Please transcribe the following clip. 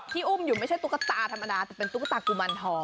อุ้มอยู่ไม่ใช่ตุ๊กตาธรรมดาแต่เป็นตุ๊กตากุมารทอง